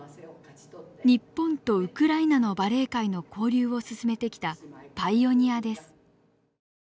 日本とウクライナのバレエ界の交流を進めてきたパイオニアです。